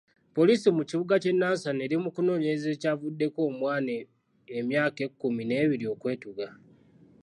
Poliisi mu kibuga ky'e Nansana eri mu kunoonyereza ekyavuddeko omwana emyaka ekumi n'ebiri okwetuga.